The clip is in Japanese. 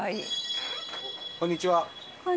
こんにちは。